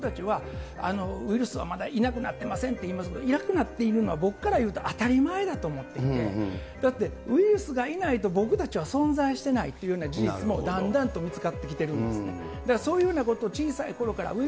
そういうようなことで、僕たちはウイルスはまだいなくなってませんといいますけど、いなくなっているのは僕から言うたら当たり前だと思っていて、だってウイルスがいないと、僕たちは存在してないっていうような事実もだんだんと見つかってきてるんですね。